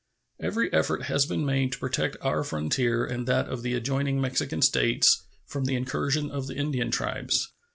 Every effort has been made to protect our frontier and that of the adjoining Mexican States from the incursions of the Indian tribes.